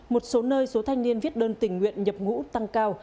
một số nơi số thanh niên viết đơn tình nguyện nhập ngũ tăng cao